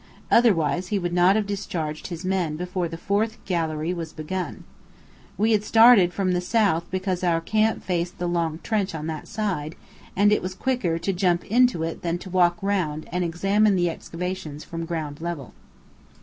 Otherwise he would not have discharged his men before the fourth gallery was begun. We had started from the south because our camp faced the long trench on that side, and it was quicker to jump into it than to walk round and examine the excavations from ground level.